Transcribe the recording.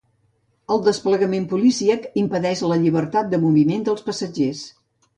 El desplegament policíac impedeix la llibertat de moviment dels passatgers.